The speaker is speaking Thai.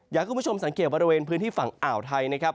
อยากให้คุณผู้ชมสังเกตบริเวณพื้นที่ฝั่งอ่าวไทยนะครับ